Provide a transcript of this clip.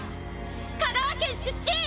香川県出身！